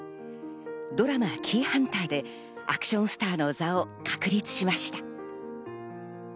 ドラマ『キイハンター』でアクションスターの座を確立しました。